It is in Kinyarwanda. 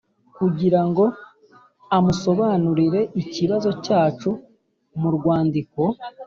Kugira ngo amusobanurire ikibazo cyacu mu rwandiko